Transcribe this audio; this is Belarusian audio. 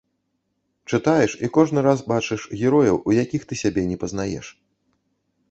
Чытаеш і кожны раз бачыш герояў, у якіх ты сябе не пазнаеш.